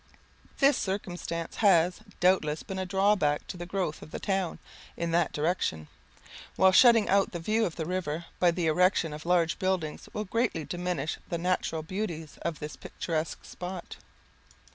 This circumstance has, doubtless, been a drawback to the growth of the town in that direction; while, shutting out the view of the river by the erection of large buildings will greatly diminish the natural beauties of this picturesque spot.